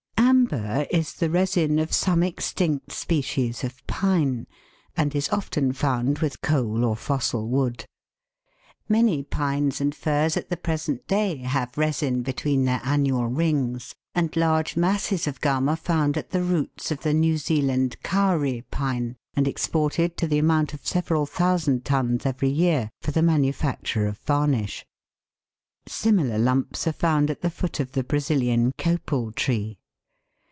Amber is the resin (Fig. 38) of some extinct speciesof pine, and is often found with coal or fossil wood. Many pines and firs at the present day have resin between their annual rings ; and large masses of gum are found at the roots of the New Zealand Kauri pine, and exported to the amount of several thousand tons every year for the manufacture of varnish. 194 THE WORLD'S LUMBER ROOM. Similar lumps are found at the foot of the Brazilian copal tree.